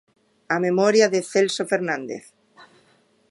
A memoria, de Celso Fernández.